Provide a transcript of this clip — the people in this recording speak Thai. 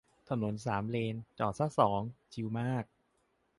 ถนนสามเลน จอดซะสอง ชิลมาก